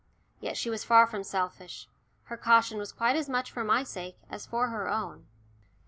Yet she was far from selfish. Her caution was quite as much for my sake as for her own.